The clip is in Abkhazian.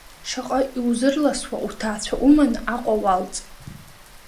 Шаҟа иузырласуа уҭаацәа уманы Аҟәа уалҵ.